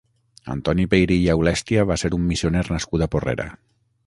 Antoni Peyrí i Aulèstia va ser un missioner nascut a Porrera.